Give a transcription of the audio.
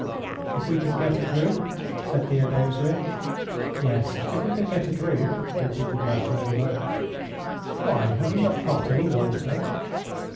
"If we could get a drink?" said Theodosia. "Yes, if we could get a drink," repeated Maslova. "Why, have you not got any water?"